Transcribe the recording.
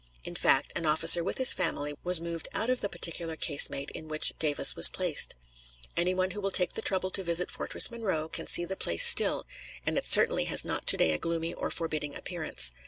In fact, an officer with his family was moved out of the particular casemate in which Davis was placed. Any one who will take the trouble to visit Fortress Monroe can see the place still, and it certainly has not to day a gloomy or forbidding appearance.